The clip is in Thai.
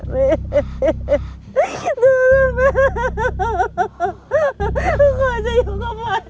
พี่พีชเห็นพี่เตอร์สักแม่อ่า